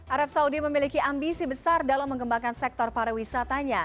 arab saudi memiliki ambisi besar dalam mengembangkan sektor pariwisatanya